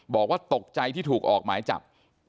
บอกว่าตกใจที่ถูกออกหมายจับ